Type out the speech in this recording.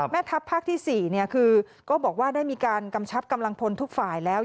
แม่ทัพภาคที่๔คือก็บอกว่าได้มีการกำชับกำลังพลทุกฝ่ายแล้ว